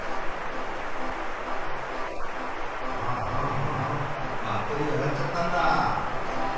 ああああバッテリー上がっちゃったんだ。